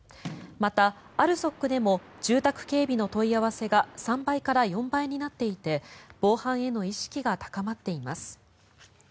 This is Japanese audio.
また、ＡＬＳＯＫでも住宅警備の問い合わせが３倍から４倍になっていて防犯への意識が高まっています。